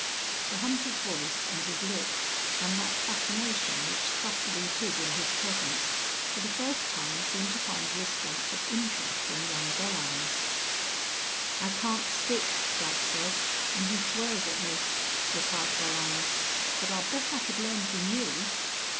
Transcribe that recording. The hunter's voice and his look, and that fascination which subtly hid in his presence, for the first time seemed to find the response of interest in young Belllounds. "I can't stick, dad says, and he swears at me," replied Belllounds. "But I'll bet I could learn from you."